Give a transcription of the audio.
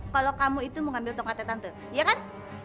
kalau kamu itu mau ngambil tongkatnya tante iya kan